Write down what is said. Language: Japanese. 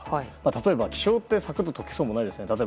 例えば、気象ってサクッと解けそうもないですよね。